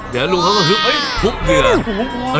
เดี๋ยวลุงเขาก็ขึบเหยื่อ